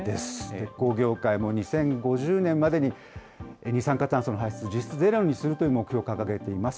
鉄鋼業界も２０５０年までに、二酸化炭素の排出実質ゼロにするという目標を掲げています。